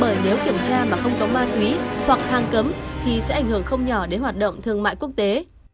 bởi nếu kiểm tra mà không có hoa thúy hoặc hàng cấm thì sẽ ảnh hưởng không nhỏ để hoạt động thương mại quốc tế